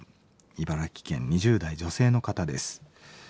茨城県２０代女性の方です。